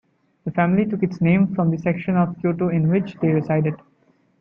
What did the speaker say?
The family took its name from the section of Kyoto in which they resided.